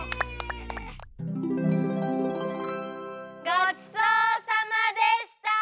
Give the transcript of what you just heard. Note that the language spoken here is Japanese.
ごちそうさまでした！